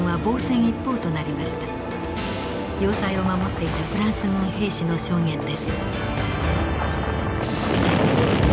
要塞を守っていたフランス軍兵士の証言です。